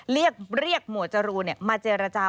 เรียกหมวดจรูนมาเจรจา